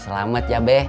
selamet ya be